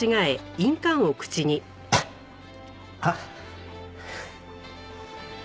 あっ！